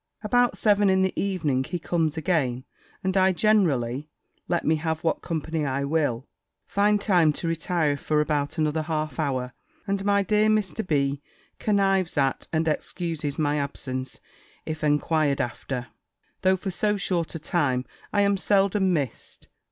About seven in the evening he comes again, and I generally, let me have what company I will, find time to retire for about another half hour; and my dear Mr. B. connives at, and excuses my absence, if enquired after; though for so short a time, I am seldom missed.